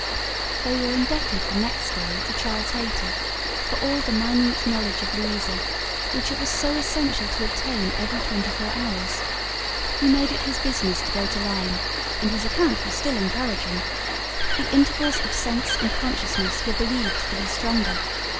They were indebted, the next day, to Charles Hayter, for all the minute knowledge of Louisa, which it was so essential to obtain every twenty four hours. He made it his business to go to Lyme, and his account was still encouraging. The intervals of sense and consciousness were believed to be stronger.